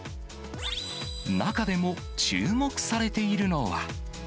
中でも注目されているのは。